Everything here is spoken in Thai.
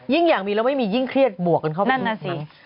ยิ่งอยากมีแล้วไม่มียิ่งเครียดบวกกันเข้าไป